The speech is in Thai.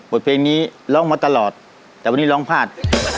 เพลงนี้ร้องมาตลอดแต่วันนี้ร้องพลาด